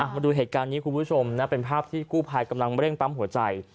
มาดูเหตุการณ์นี้คุณผู้ชมนะเป็นภาพที่กู้ภัยกำลังเร่งปั๊มหัวใจ